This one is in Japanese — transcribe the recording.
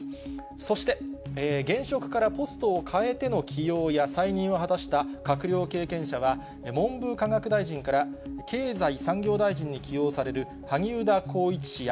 そして現職からポストを替えての起用や再任を果たした閣僚経験者は、文部科学大臣から経済産業大臣に起用される、萩生田光一氏や、